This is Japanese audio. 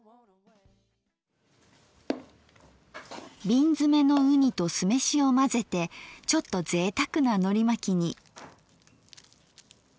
瓶詰めのうにと酢飯を混ぜてちょっとぜいたくなのりまきに。